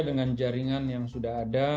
dengan jaringan yang sudah ada